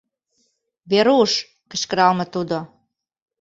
— Веруш! — кычкыралме тудо.